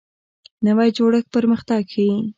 نوی جوړښت پرمختګ ښیي